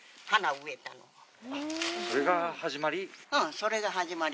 それが始まり？